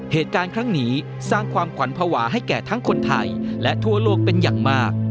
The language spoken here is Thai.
เหตุการณ์ครั้งนี้สร้างความขวัญภาวะให้แก่ทั้งคนไทยและทั่วโลกเป็นอย่างมาก